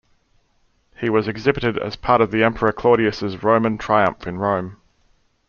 He was exhibited as part of the emperor Claudius's Roman triumph in Rome.